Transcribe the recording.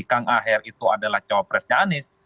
kang aher itu adalah cowok pres anis